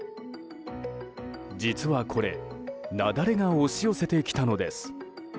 実はこれ雪崩が押し寄せてきたのです。